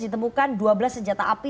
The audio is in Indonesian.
ditemukan dua belas senjata api